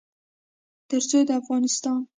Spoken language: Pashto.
تر څو د افغانستان